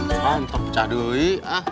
nah untuk pecah dulu i